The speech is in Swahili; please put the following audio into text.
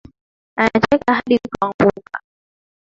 Anacheka hadi kuangauka